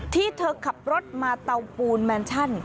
ที่เธอขับรถมาเตาปูนแมนชั่น